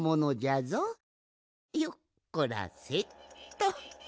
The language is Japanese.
よっこらせっと。